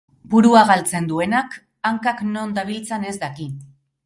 Burua galtzen duenak, hankak non dabiltzan ez daki